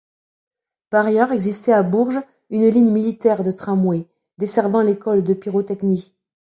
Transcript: Par ailleurs existait à Bourges une ligne militaire de tramway, desservant l'école de Pyrotechnie.